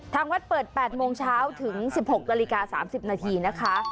ทางวัดเปิด๘โมงเช้าถึง๑๖นาฬิกา๓๐นาทีนะคะ